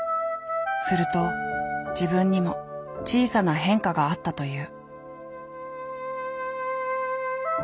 すると自分にも小さな変化があったという。